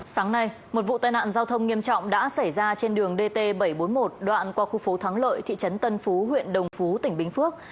sáng nay một vụ tai nạn giao thông nghiêm trọng đã xảy ra trên đường dt bảy trăm bốn mươi một đoạn qua khu phố thắng lợi thị trấn tân phú huyện đồng phú tỉnh bình phước